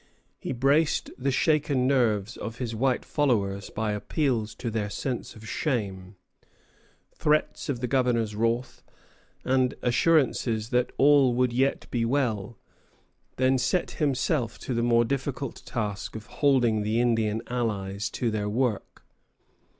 He braced the shaken nerves of his white followers by appeals to their sense of shame, threats of the governor's wrath, and assurances that all would yet be well; then set himself to the more difficult task of holding the Indian allies to their work.